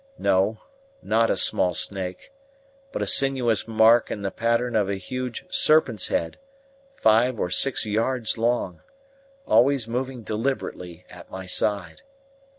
No, not a small snake, but a sinuous mark in the pattern on a huge serpent's head, five or six yards long, always moving deliberately at my side.